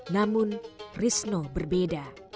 namun risno berbeda